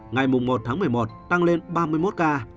ngày một tháng một mươi một tăng lên ba mươi một ca